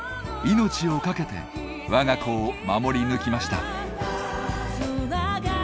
命をかけてわが子を守り抜きました。